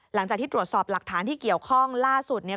หลังจากที่ตรวจสอบหลักฐานที่เกี่ยวข้องล่าสุดเนี่ย